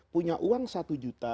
punya uang satu juta